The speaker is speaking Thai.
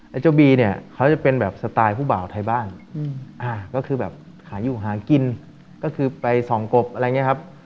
เจ้าบีเนี่ยเขาจะเป็นแบบสไตล์ผู้บ่าวไทยบ้านก็คือแบบขายอยู่หากินก็คือไปส่องกบอะไรอย่างนี้ครับ